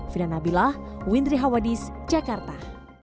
fina nabilah windri hawadis jakarta